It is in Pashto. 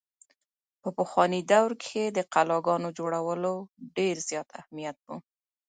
په پخواني دور کښې د قلاګانو جوړولو ډېر زيات اهميت وو۔